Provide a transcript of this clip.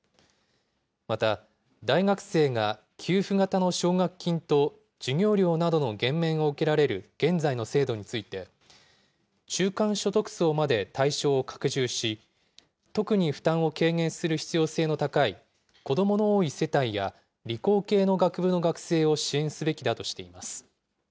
また大学生が給付型の奨学金と、授業料などの減免を受けられる現在の制度について、中間所得層まで対象を拡充し、特に負担を軽減する必要性の高い子どもの多い世帯や、理工系の学部の学生を支援すべきだとしています。